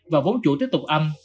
và vốn chủ tiếp tục âm